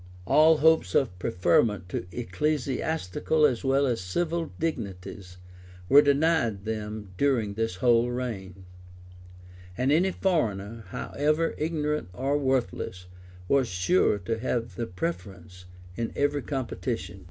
All hopes of preferment to ecclesiastical as well as civil dignities were denied them during this whole reign; and any foreigner, however ignorant or worthless, was sure to have the preference in every competition.